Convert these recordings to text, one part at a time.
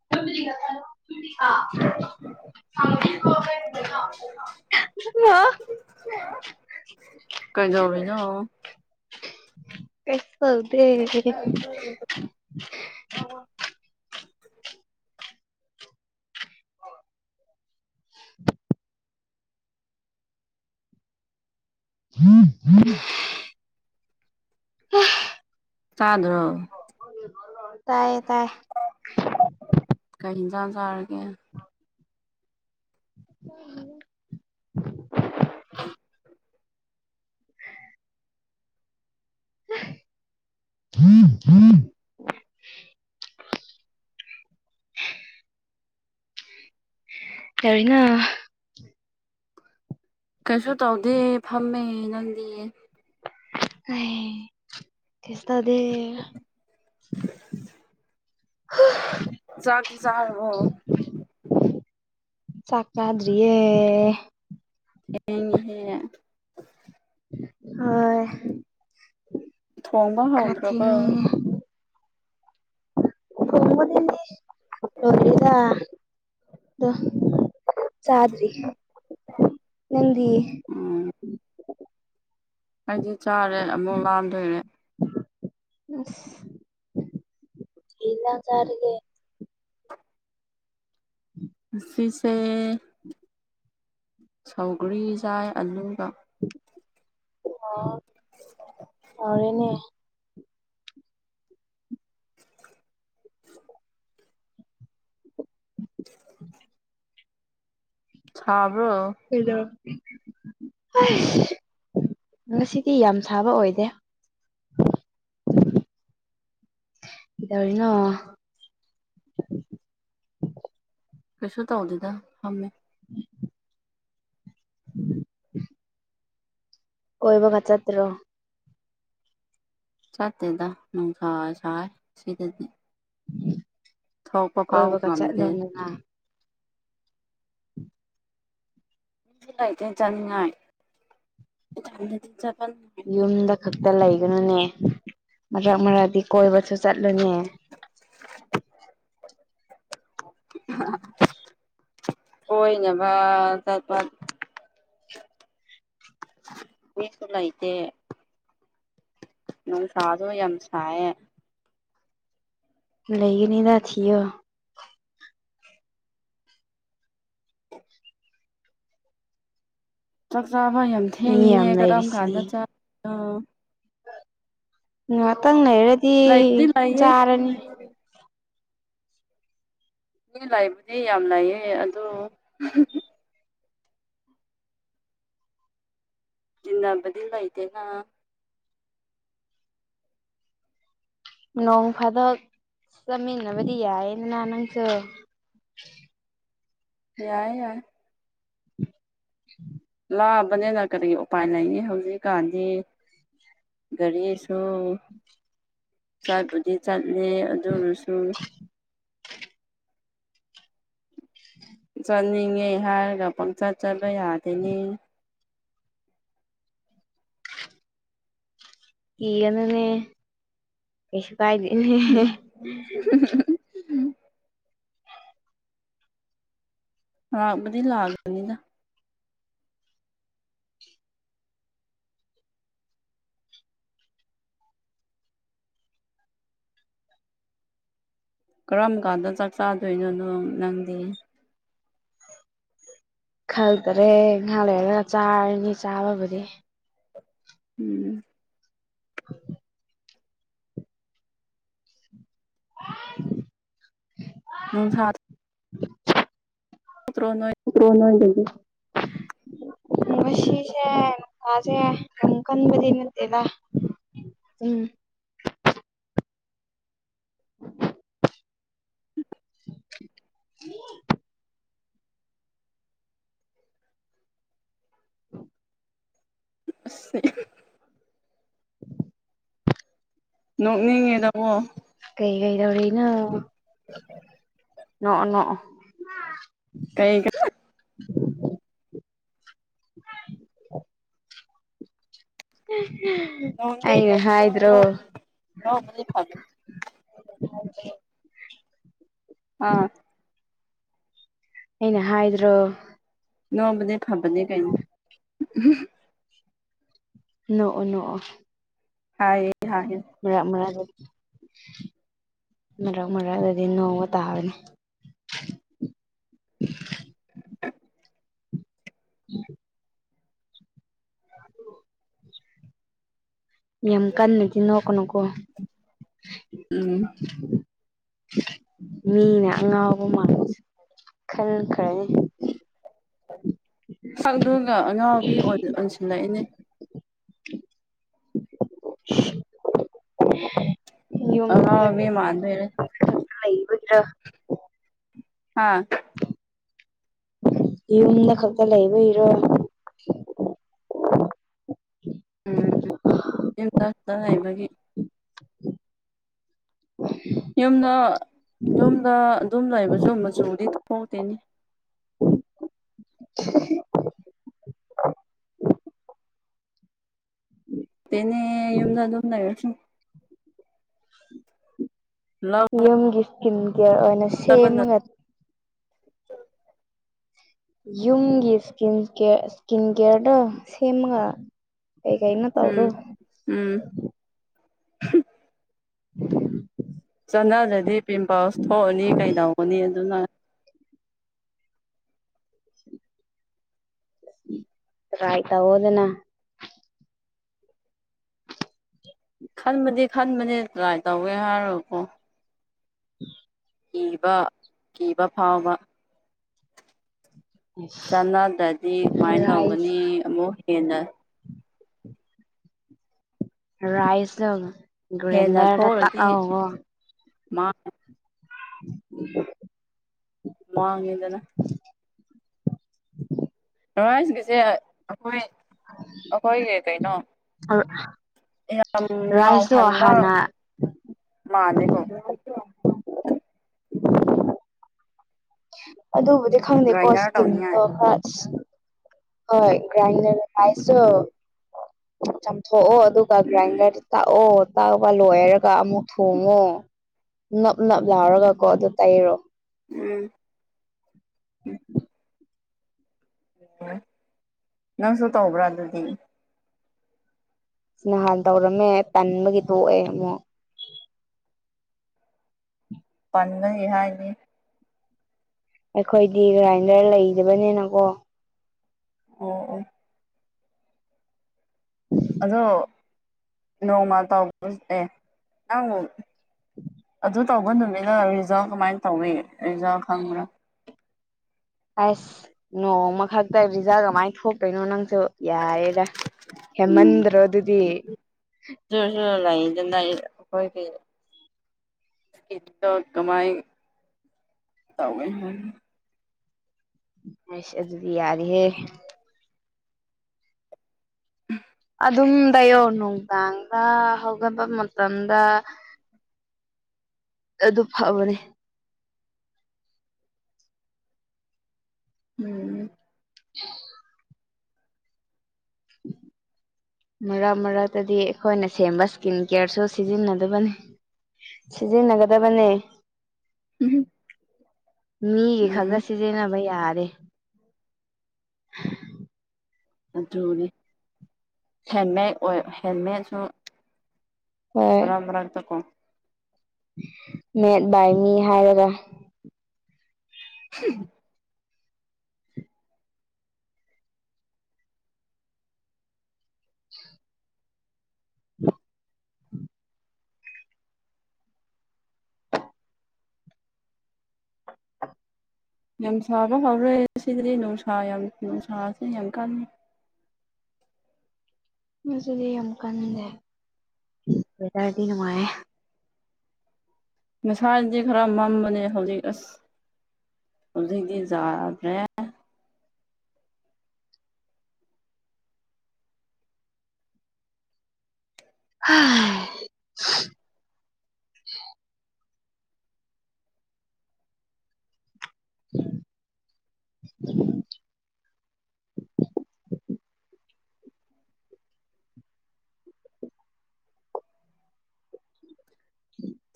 [inaudible] [inaudible] ꯀꯩꯗꯧꯔꯤꯅꫭ ꯀꯩꯁꯨ ꯇꯧꯗꯦ ꯑꯩꯈꫭꯏꯗꯤ [inaudible] [inaudible] ꯍ ꯆꯥꯗ꯭ꯔꯣ ꯇꯥꯏꯌꯦ ꯇꯥꯏ ꯀꯔꯤ ꯏꯪꯖꯥꯡ ꯆꯥꯔꯒꯦ [unintelligible] ꯆꯥꯗ꯭ꯔꯤꯗ [unintelligible] ꯀꯩꯗꯧꯔꯤꯅꫭ ꯀꯩꯁꯨ ꯇꯧꯗꯦ ꯐꯝꯃꯦ ꯅꯪꯗꯤ ꯑꯩ ꯀꯩꯁꯨ ꯇꯧꯗꯦ ꯍ ꯆꯥꯛꯇꯤ ꯆꯥꯔꯕꯣ ꯆꯥꯛ ꯆꯥꯗ꯭ꯔꯤꯌꯦ ꯌꯦꯡꯉꯤꯁꯦꯅ ꯍꫭꯏ ꯊꯣꯡꯕ ꯍꯥꯎꯗ꯭ꯔꯕꯣ ꯊꯣꯡꯕꯗꯤ ꯂꯣꯏꯗꯔꯤꯗ ꯑꯗꯣ ꯆꯥꯛ ꯆꯥꯗ꯭ꯔꯤ ꯅꯪꯗꯤ ꯎꯝ ꯑꯩꯗꯤ ꯆꯥꯔꯦ ꯑꯃꯨꯛ ꯂꯥꯝꯗꯣꯏꯔꯦ ꯏꯁ ꯀ꯭ꯔꯤ ꯍꯤꯟꯖꯥꯡ ꯆꯥꯔꯒꯦ [inaudible] ꯉꯥꯁꯤꯁꯦ ꯁꯧꯒ꯭ꯔꯤ ꯆꯥꯏ ꯑꯜꯂꯨꯒ ꯑꯣ ꯍꯥꯎꯔꯦꯅꯦ [unintelligible] ꯁꯥꯕ꯭ꯔꯣ ꯀꯩꯅꫭ ꯑꯩꯁ ꯉꯁꯤꯗꯤ ꯌꯥꯝ ꯁꯥꯕ ꯑꯣꯏꯗꯦ [inaudible] ꯀꯩꯗꯧꯔꯤꯅꯣ ꯀꯩꯁꯨ ꯇꯧꯗꯦꯗ ꯐꯝꯃꯤ [inaudible] [inaudible] ꯀꯣꯏꯕꯒ ꯆꯠꯇ꯭ꯔꯣ ꯆꯠꯇꯦꯗ ꯅꯨꯡꯁꯥ ꯁꯥꯏ ꯁꯤꯗꯗꯤ ꯊꯣꯛꯄ ꯐꯥꯎ ꯀꯣꯏꯕꯒ ꯉꯝꯗꯦ ꯆꯠꯂꯣꯗꯅ [unintelligible] ꯌꯨꯝꯗ ꯈꯛꯇ ꯂꯩꯒꯅꯨꯅꯦ ꯃꯔꯛ ꯃꯔꯛꯇꯤ ꯀꯣꯏꯕꯁꯨ ꯆꯠꯂꯨꯅꯦ ꯀꯣꯏꯅꯕ ꯆꯠꯄ ꯃꯤꯁꯨ ꯂꯩꯇꯦ ꯅꯨꯡꯁꯥꯁꯨ ꯌꯥꯝ ꯁꯥꯏꯌꯦ ꯂꯩꯒꯅꯤꯗ ꯊꯤꯌꯣ ꯆꯥꯛ ꯆꯥꯕ ꯌꯥꯝ ꯃꯤ ꯊꯦꯡꯉꯤꯅꯦ ꯌꯥꯝ ꯀꯔꯝ ꯀꯥꯟꯗ ꯆꯗꯣꯏꯅꯣ ꯉꯥꯇꯪ ꯂꯩꯔꯗꯤ ꯂꯩꯕꯨꯗꯤ ꯂꯩꯌꯦ ꯆꯥꯔꯅꯤ ꯃꯤ ꯂꯩꯕꯗꯤ ꯌꯥꯝ ꯂꯩꯌꯦ ꯑꯗꯨ ꯇꯤꯟꯅꯕꯗꯤ ꯂꯩꯇꯦꯅ ꯅꯣꯡ ꯐꯥꯗꯣꯛ ꯆꯞꯃꯤꯟꯅꯕꯗꯤ ꯌꯥꯏꯌꯦꯗꯅ ꯅꯪꯁꯨ ꯌꯥꯏ ꯌꯥꯏ [inaudible] ꯂꯥꯑꯕꯅꯤꯅ ꯀꯔꯤ ꯎꯄꯥꯏ ꯂꯩꯅꯤ ꯍꯧꯖꯤꯛꯀꯥꯟꯗꯤ ꯒꯥꯔꯤꯁꯨ ꯁꯨ ꯆꯠꯄꯨꯗꯤ ꯆꯠꯂꯦ ꯑꯗꯨꯔꯁꯨ [inaudible] ꯆꯠꯅꯤꯡꯉꯦ ꯍꯥꯏꯔꯒ ꯄꯪꯆꯠ ꯆꯠꯕ ꯌꯥꯗꯦꯅꯦ ꯀꯤꯒꯅꯨꯅꯦ ꯀꯁꯨ ꯀꯥꯏꯗꯦꯅꯦ [unintelligible] ꯂꯕꯗꯤ ꯂꯥꯛꯑꯒꯦ ꯃꯅꯤꯅ ꯀꯔꯝ ꯀꯥꯟꯗ ꯆꯥꯛ ꯆꯥꯗꯣꯏꯅꯣ ꯅꯣ ꯅꯪꯗꯤ ꯈꯜꯗꯔꯦ ꯉꯍꯥꯛ ꯂꯩꯔꯒ ꯆꯥꯔꯅꯤ ꯆꯥꯕꯕꯨꯗꯤ ꯎꯝ [inaudible] [unintelligible] ꯅꯨꯡꯁꯥ [inaudible] ꯇꯣꯛꯇꯔꯣ ꯅꯣꯏ ꯇꯣꯛꯇꯔꯣ ꯅꯥꯣꯏꯗꯗꯤ ꯉꯁꯤꯁꯦ ꯅꯨꯁꯥꯁꯦ ꯌꯥꯝ ꯀꯟꯕꯗꯤ ꯅꯠꯇꯦꯗ ꯎꯝ [unintelligible] ꯑꯁ ꯅꯣꯛꯅꯤꯡꯉꯦꯗ ꯀꯣ ꯀꯩ ꯀꯩ ꯗꯧꯔꯤꯅꯣ [inaudible] ꯅꯣꯛ ꯑꯣ ꯅꯣꯛ ꯑꯣ ꯀꯩ ꯑꯩꯅ ꯍꯥꯏꯗ꯭ꯔꯣ ꯅꯣꯡꯕꯨꯗꯤ [unintelligible] ꯑꯥ ꯑꯩꯅ ꯍꯥꯏꯗ꯭ꯔꯣ ꯅꯣꯕꯅꯦ ꯐꯕꯅꯦ ꯀꯩꯅꯣ ꯅꯣꯛꯣ ꯅꯣꯛꯣ ꯍꯥꯏ ꯍꯥꯏ ꯃꯔꯛ ꯃꯔꯗꯗꯤ ꯃꯔꯛ ꯃꯔꯛꯗꯗꯤ ꯅꯣꯡꯄꯥ ꯇꯥꯕꯅꯤ [inaudible] ꯌꯥꯝ ꯀꯟꯅꯗꯤ ꯅꯣꯀꯛꯅꯨꯀꯣ ꯎꯝ [inaudible] ꯃꯤꯅ ꯑꯉꯥꯎꯕ ꯃꯂꯁ ꯈꯟꯈ꯭ꯔꯅꯤ ꯁꯛꯗꯨꯒꯥ ꯑꯉꯥꯎꯕꯤ ꯑꯣꯟꯁꯤꯜꯂꯛꯏꯅꯦ [inaudible] ꯌꯨꯝ ꯑꯉꯥꯎꯕꯤ ꯃꯥꯟꯗꯣꯏꯔꯦ [unintelligible] ꯍꯥꯥ ꯌꯨꯝꯗ ꯈꯛꯇ ꯂꯩꯕꯩꯔꯣ ꯎꯝ ꯌꯨꯝꯗ ꯈꯛꯇ ꯂꯩꯕꯒꯤ ꯌꯨꯝꯗ ꯌꯨꯝꯗ ꯑꯗꯨꯝ ꯂꯩꯕꯁꯨ ꯃꯆꯨꯗꯤ ꯊꯣꯛꯇꯦꯅꯦ [unintelligible] ꯇꯦꯅꯦ ꯌꯨꯝꯗ ꯑꯗꯨꯨꯝ ꯂꯩꯔꯥꯁꯨ [inaudible] ꯌꯨꯝꯒꯤ ꯍꯤꯡꯒꯔꯥ ꯑꯣꯏꯅ ꯂꯧꯕꯅ ꯁꯦꯝꯃꯒ ꯌꯨꯝꯒꯤ ꯏꯁ ꯏꯁꯀꯤꯟ ꯀꯦꯌꯔꯗꯣ ꯁꯦꯝꯃꯒ ꯀꯩꯀꯩꯅꯣ ꯇꯧꯔꯣ ꯎꯝ ꯎꯝ ꯆꯠꯅꯔꯗꯤ ꯄꯤꯝꯄꯜꯁ ꯊꯣꯛꯑꯅꯤ ꯀꯩꯗꯧꯅꯤ ꯑꯗꯨꯅ [inaudible] ꯇꯔꯥꯏ ꯊꯧ ꯍꯣꯗꯅ ꯈꯟꯕꯗꯤ ꯈꯟꯕꯅꯦ ꯇ꯭ꯔꯥꯏ ꯇꯧꯒꯦ ꯍꯥꯏꯔꯣꯀꯣ ꯀꯤꯕ ꯀꯤꯕ ꯐꯥꯎꯕ ꯆꯅꯗꯗꯤ ꯀꯃꯥꯏꯅ ꯔꯥꯏꯁ ꯇꯧꯒꯅꯤ ꯑꯃꯨꯛ ꯍꯦꯟꯅ ꯔꯥꯏꯁ ꯇꯧꯒꯦ ꯒ꯭ꯔꯦꯟꯗꯔꯗ ꯇꯒꯣ ꯃꯥ [inaudible] ꯃꯥꯡꯉꯦꯗꯅ ꯔꯥꯏꯁꯀꯤꯁꯦ ꯑꯩꯈꯣꯏ ꯑꯩꯈꯣꯏꯒꯤ ꯀꯩꯅꯣ ꯌꯥꯝ ꯔꯥꯏꯁꯇꯣ ꯉꯎꯍꯟꯕ ꯍꯥꯟꯅ ꯃꯥꯂꯦꯀꯣ ꯑꯗꯨꯕꯨꯗꯤ ꯈꯪꯗꯦꯀꯣ ꯒ꯭ꯔꯥꯏꯟꯗꯔ ꯏꯁꯀꯤꯟꯗꯣ ꯇꯧꯅꯤꯡꯉꯥꯏ ꯈꯁ ꯍꯣꯏ [unintelligible] ꯄꯥꯏꯁꯨ ꯆ ꯊꯣꯛꯑꯣ ꯑꯗꯨꯒ ꯎꯝ ꯒ꯭ꯔꯥꯏꯟꯗꯔꯗ ꯇꯥꯛꯑꯣ ꯑꯇꯥꯥꯛ ꯑꯄꯥ ꯂꯣꯏꯔꯒ ꯑꯃꯨꯛ ꯊꯣꯡꯉꯣ ꯅꯞ ꯅꯞ ꯂꯥꯎꯔꯒ ꯀꯣ ꯑꯗꯨ ꯇꯩꯔꯣ ꯎꯝ ꯅꯪꯁꯨ ꯇꯧꯕ꯭ꯔꯥ ꯑꯗꯨꯗꯤ ꯅꯍꯥꯟ ꯇꯧꯔꯝꯃꯦ ꯇꯟꯕꯒꯤ ꯊꯣꯛꯑꯦ ꯑꯃꯨꯛ ꯄꯥꯟꯅ ꯏꯍ ꯏꯅꯦ ꯑꯩꯈꯣꯏꯗꯤ ꯒ꯭ꯔꯥꯏꯟꯗꯔ ꯂꯩꯗꯕꯅꯤꯅꯀꯣ ꯑꯣ ꯑꯣ ꯑꯗꯣ ꯅꯣꯡꯃ ꯇꯧꯕꯗꯨꯅꯦ ꯅꯪ [inaudible] ꯑꯗꯨ ꯇꯧꯕ ꯅꯨꯃꯤꯅ ꯔꯤꯖꯜ ꯀꯃꯥꯏꯅ ꯇꯧꯋꯤ ꯔꯤꯖꯜ ꯈꯪꯕ꯭ꯔꯥ ꯑꯁ ꯅꯣꯡꯃ ꯈꯛꯇ ꯔꯤꯖꯜ ꯀꯃꯥꯏꯅ ꯊꯣꯛꯇꯣꯏꯅꯣ ꯅꯪꯁꯨ ꯌꯥꯏꯑꯦꯗ ꯍꯦꯃꯟꯗ꯭ꯔꯣ ꯑꯗꯨꯗꯤ ꯑꯗꯨꯔꯁꯨ ꯂꯩꯗꯅ ꯑꯩꯈꯣꯏ ꯀꯃꯥꯏ ꯇꯧꯢ ꯑꯁ ꯑꯗꯨꯗꯤ ꯌꯥꯔꯤꯍꯦ ꯎꯝ ꯑꯗꯨꯝ ꯇꯩꯌꯣ ꯅꯨꯡꯗꯥꯡꯗ ꯍꯧꯒꯠꯄ ꯃꯇꯝꯗ ꯑꯗꯨ ꯐꯕꯅꯦ ꯎꯝ [unintelligible] [inaudible] ꯃꯔꯛ ꯃꯔꯛꯇꯗꯤ ꯑꯩꯈꯣꯏꯅ ꯁꯦꯝꯕ ꯏꯁꯀꯤꯟ ꯀꯦꯌꯔꯁꯨ ꯁꯤꯖꯤꯟꯅꯗꯕꯅꯤ ꯁꯤꯖꯤꯟꯅꯒꯗꯕꯅꯦ ꯃꯤꯒꯤ ꯈꯒ ꯁꯤꯖꯤꯟꯅꯕ ꯌꯥꯔꯦ ꯎꯝ [unintelligible] ꯑꯗꯨꯅꯤ ꯍꯦꯟꯃꯦꯠ ꯑꯣꯏ ꯍꯦꯟꯃꯦꯠꯁꯨ ꯍꯣꯏ ꯃꯔꯛ ꯃꯔꯛꯇ ꯀꯣ ꯃꯦꯠ ꯕꯥꯢ ꯃꯤ ꯍꯥꯏꯔꯒ [unintelligible] ꯌꯥꯝ ꯁꯥꯕ ꯍꯧꯔꯦ ꯁꯤꯗꯗꯤ ꯅꯨꯡꯁꯥ ꯌꯥꯝ ꯅꯨꯡꯁꯥꯁꯤꯅ ꯌꯥꯝ ꯀꯟꯅꯤ ꯑꯗꯨꯗꯤ ꯌꯥꯝ ꯀꯟꯅꯦ ꯋꯦꯗꯔꯗꯤ ꯅꯨꯡꯉꯥꯏꯌꯦ ꯃꯁꯥꯗꯤ ꯈꯔ ꯃꯝꯕꯅꯦ ꯍꯧꯖꯤꯛ ꯑꯁ ꯍꯧꯖꯤꯛꯇꯤ ꯌꯥꯗ꯭ꯔꯦ ꯍꯥ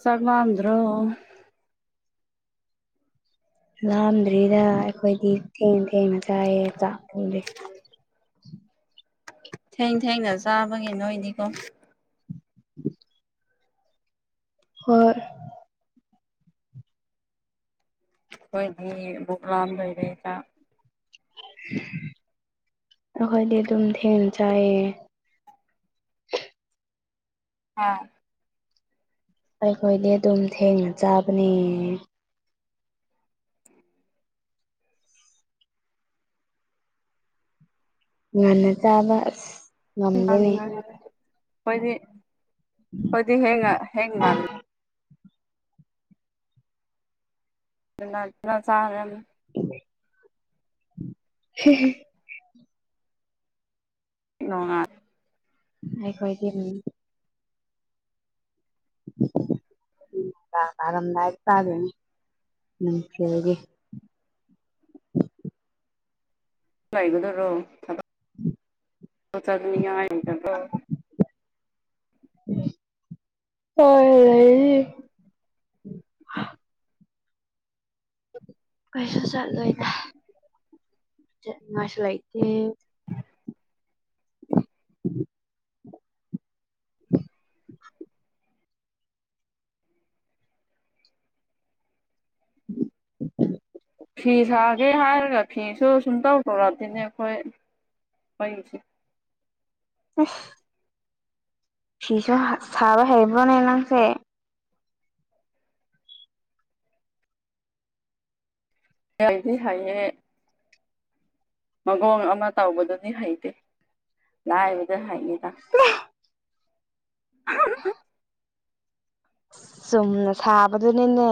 ꯆꯥꯛ ꯂꯥꯝꯗ꯭ꯔꯣ ꯂꯥꯝꯗ꯭ꯔꯤꯗ ꯑꯩꯈꯣꯏꯗꯤ ꯊꯦꯡ ꯊꯦꯡꯅ ꯆꯥꯏꯌꯦ ꯆꯥꯛ ꯊꯣꯡꯗꯦ ꯊꯦꯡ ꯊꯦꯡꯅ ꯆꯥꯕꯒꯤ ꯅꯣꯏꯗꯤꯀꯣ [inaudible] ꯍꯣꯏ ꯑꯩꯈꯣꯏꯒꯤ ꯍꯌꯦꯡ ꯄꯣꯛꯝꯂꯥꯝ ꯂꯩꯏꯔꯦꯗ ꯑꯩꯈꯣꯏꯗꯤ ꯑꯗꯨꯝ ꯊꯦꯡꯅ ꯆꯥꯏꯌꯦ ꯑꯥ ꯑꯩꯈꯣꯏꯗꯤ ꯑꯗꯨꯝ ꯊꯦꯡꯅ ꯆꯥꯕꯅꯦ ꯉꯟꯅ ꯆꯥꯕ ꯑꯁ ꯉꯝꯗꯦꯅꯦ ꯑꯩꯈꯣꯏꯗꯤ ꯑꯩꯈꯣꯏꯗꯤ ꯍꯦꯡꯉ ꯍꯦꯡ ꯉꯥꯟꯂ ꯉꯟꯅ ꯆꯥꯒ꯭ꯔꯝꯃꯤ [unintelligible] ꯅꯣꯉꯥꯜ ꯑꯩꯈꯣꯢꯒꯤ ꯅꯨꯃꯤꯠ ꯑꯩꯈꯣꯢꯗꯤ ꯅꯨꯡꯗꯥꯡ ꯇꯥꯔꯝꯗꯥꯢꯗ ꯆꯥꯗꯣꯢꯅꯤ ꯅꯨꯡꯊꯤꯜꯒꯤ ꯂꯩꯒꯗꯣꯏꯔꯣ ꯊꯕꯛ [unintelligible] [unintelligible] ꯍꯣꯏ ꯂꯩꯌꯦ ꯀꯩꯁꯨ ꯆꯠꯂꯣꯏꯗ ꯆꯠꯅꯤꯉꯥꯏꯁꯨ ꯂꯩꯇꯦ꯫ ꯐꯤ ꯁꯥꯒꯦ ꯍꯥꯏꯔꯒ ꯐꯤꯁꯨ ꯁꯨꯝꯇꯧ ꯇꯧꯔꯛꯇꯦꯅꯦ ꯑꯈꯣꯏ [unintelligible] ꯑꯁ ꯐꯤꯁꯨ ꯍꯥ ꯁꯥꯕ ꯍꯩꯕ꯭ꯔꯣꯅꯦ ꯅꯪꯁꯦ? [unintelligible] ꯃꯒꯣꯡ ꯑꯃ ꯇꯧꯕꯗꯨꯗꯤ ꯍꯩꯇꯦ ꯂꯥꯏꯕꯗ ꯍꯩꯅꯤꯗ [inaudible] [unintelligible] ꯆꯨꯝꯅ ꯁꯥꯕꯗꯨꯅꯤꯅꯦ